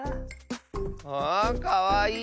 あかわいい！